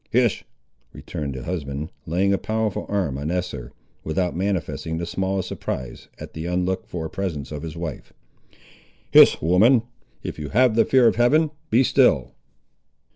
"Hist," returned the husband, laying a powerful arm on Esther, without manifesting the smallest surprise at the unlooked for presence of his wife. "Hist, woman! if you have the fear of Heaven, be still!"